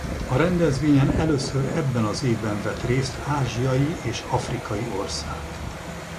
A rendezvényen először ebben az évben vett részt ázsiai és afrikai ország.